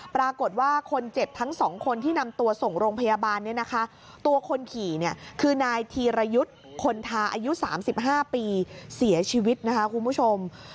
ปรากฏว่าคนเจ็บทั้งสองคนที่นำตัวส่งโรงพยาบาลเนี่ยนะคะตัวคนขี่เนี่ยคือนายธีรยุทธ์คนทาอายุ๓๕ปีเสียชีวิตนะคะคุณผู้ชม